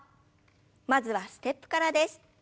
まずはステップからです。